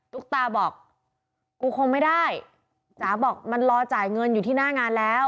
ุ๊กตาบอกกูคงไม่ได้จ๋าบอกมันรอจ่ายเงินอยู่ที่หน้างานแล้ว